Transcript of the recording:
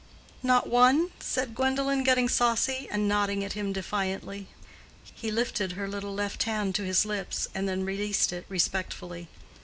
"Not one?" said Gwendolen, getting saucy, and nodding at him defiantly. He lifted her little left hand to his lips, and then released it respectfully.